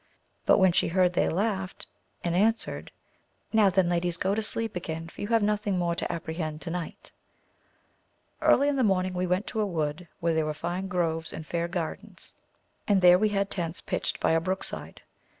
but when she heard they laughed and answered, Now then ladies go to sleep again, for you have nothing more to apprehend to night. Early in the morning we went to a wood where there were fine groves and fair gaTdeua, audL XJc^et^ \q^ 122 AMADIS OF GAUL. had tents pitched by a brook side.